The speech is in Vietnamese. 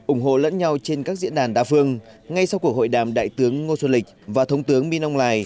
ủng hộ lẫn nhau trên các diễn đàn đa phương ngay sau cuộc hội đàm đại tướng ngô xuân lịch và thống tướng minh âu lài